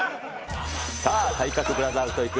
さあ、体格ブラザーズと行く！